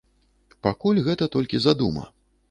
Пакуль гэта толькі задума.